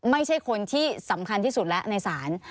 ไม่ใช่คนที่สำคัญที่สุดแล้วในศาล